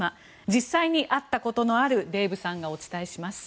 実際に会ったことのあるデーブさんがお伝えします。